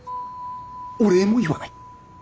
お礼も言わない。